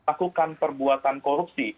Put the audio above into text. lakukan perbuatan korupsi